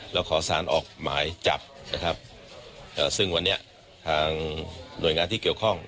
แล้วขอสารออกหมายจับนะครับซึ่งวันนี้ทางหน่วยงานที่เกี่ยวข้อง